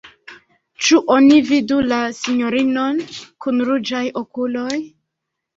Ĉu oni vidu la sinjorinon kun ruĝaj okuloj?